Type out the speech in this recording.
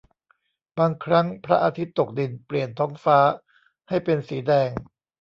บางครั้งพระอาทิตย์ตกดินเปลี่ยนท้องฟ้าให้เป็นสีแดง